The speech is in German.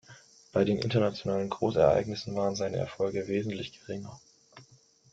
Bei den internationalen Großereignissen waren seine Erfolge wesentlich geringer.